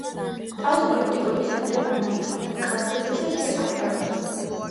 ტაოს პოლიტიკური ცენტრი ბანა იყო, კლარჯეთისა კი არტანუჯი.